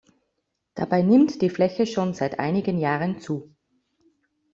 Dabei nimmt die Fläche schon seit einigen Jahren zu.